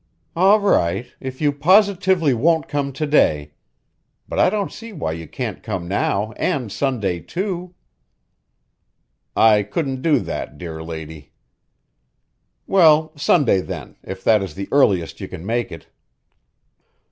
"All right, if you positively won't come to day. But I don't see why you can't come now and Sunday, too." "I couldn't do it, dear lady." "Well, Sunday then, if that is the earliest you can make it."